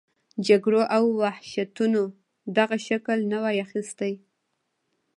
جګړو او وحشتونو دغه شکل نه وای اخیستی.